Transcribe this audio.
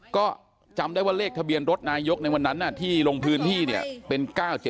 ก็จำได้ว่าเลขทะเบียนรถนายกในวันนั้นที่ลงพื้นที่เนี่ยเป็น๙๗